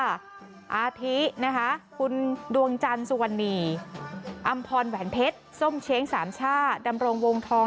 อาทินะคะคุณดวงจันทร์สุวรรณีอำพรแหวนเพชรส้มเช้งสามช่าดำรงวงทอง